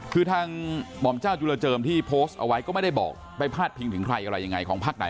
คือทางหม่อมเจ้าจุลเจิมที่โพสต์เอาไว้ก็ไม่ได้บอกไปพาดพิงถึงใครอะไรยังไงของพักไหน